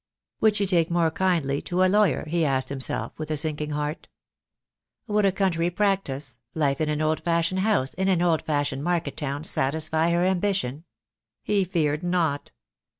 Would she take more kindly to a lawyer, he asked himself with a sinking heart. Would a country practice, life in an old fashioned house in an old fashioned market town, satisfy her ambition? He feared not.